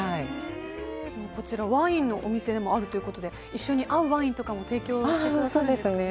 こちら、ワインのお店でもあるということで一緒に合うワインとかも提供してくださるんですかね。